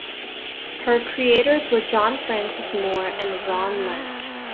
Her creators were John Francis Moore and Ron Lim.